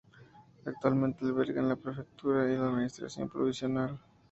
Actualmente alberga la prefectura y la administración provincial.